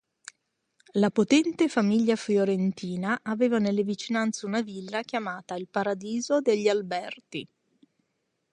La potente famiglia fiorentina aveva nelle vicinanze una villa chiamata il "Paradiso degli Alberti".